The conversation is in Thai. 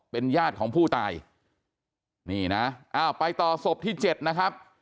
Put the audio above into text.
เป็นญาติของผู้ตายนี่นะอ้าวไปต่อศพที่เจ็ดนะครับ